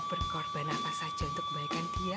berkorban apa saja untuk kebaikan dia